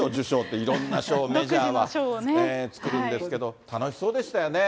いろんな賞を、メジャーは作るんですけど、楽しそうでしたね。